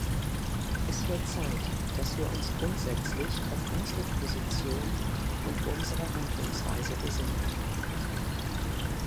Es wird Zeit, dass wir uns grundsätzlich auf unsere Position und unsere Handlungsweise besinnen.